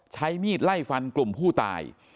ใช้มีดไล่ฟันกลุ่มผู้ตาย